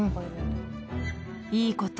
いいこと？